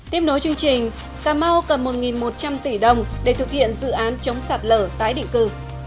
tiếp nối chương trình cà mau cầm một một trăm linh tỷ đồng để thực hiện dự án chống sạt lở tái định cư